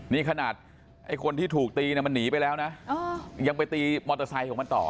นี่ขนาดไอ้คนที่ถูกตีเนี่ยมันหนีไปแล้วนะยังไปตีมอเตอร์ไซค์ของมันต่อ